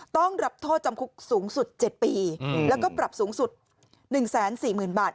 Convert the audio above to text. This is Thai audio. ต้องรับโทษจำคุกสูงสุด๗ปีแล้วก็ปรับสูงสุด๑๔๐๐๐บาท